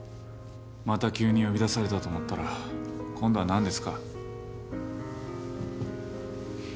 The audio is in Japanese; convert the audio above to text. また急に呼び出されたと思ったら今度は何ですか？